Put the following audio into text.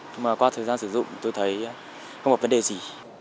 nhưng mà qua thời gian sử dụng tôi thấy không có vấn đề gì